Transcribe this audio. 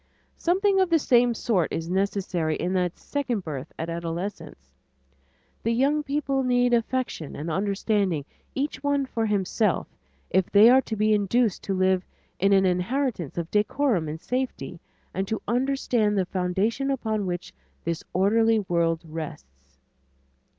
Something of the same sort is necessary in that second birth at adolescence. The young people need affection and understanding each one for himself, if they are to be induced to live in an inheritance of decorum and safety and to understand the foundations upon which this orderly world rests.